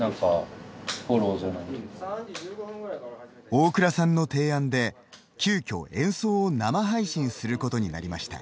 大倉さんの提案で、急きょ演奏を生配信することになりました。